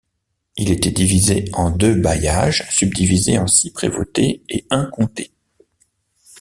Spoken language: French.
Il était divisé en deux bailliages, subdivisés en six prévôtés et un comtés.